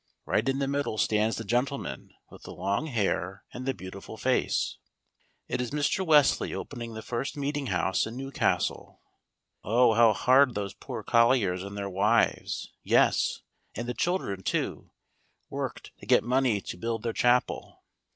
Right in the middle stands the gentleman with the long hair and the beautiful face. It is Mr. Wesley opening the first meeting house in Newcastle. Oh, how hard those poor colliers and their wives, yes, and the children too, worked to get money to build their chapel.